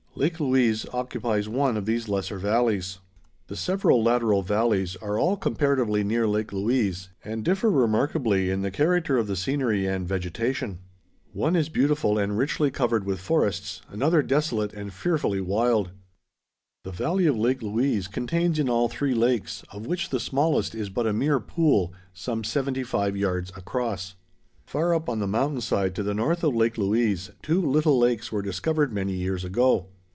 Lake Louise occupies one of these lesser valleys. The several lateral valleys are all comparatively near Lake Louise and differ remarkably in the character of the scenery and vegetation. One is beautiful and richly covered with forests; another desolate and fearfully wild. The valley of Lake Louise contains in all three lakes, of which the smallest is but a mere pool, some seventy five yards across. Far up on the mountain side to the north of Lake Louise two little lakes were discovered many years ago.